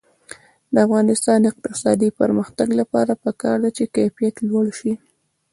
د افغانستان د اقتصادي پرمختګ لپاره پکار ده چې کیفیت لوړ شي.